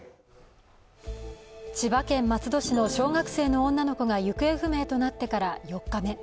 千葉県松戸市の小学生の女の子が行方不明となってから４日目。